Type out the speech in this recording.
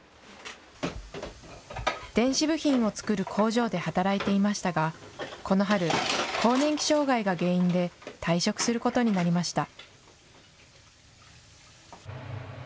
電子部品を作る工場で働いていましたが、この春、更年期障害が原因で退職することになりました。